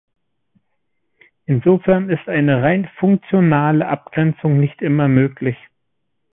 Insofern ist eine rein funktionale Abgrenzung nicht immer möglich.